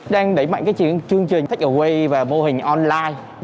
đang đẩy mạnh cái chương trình take away và mô hình online